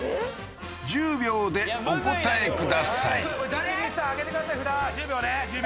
１０秒でお答えください１２３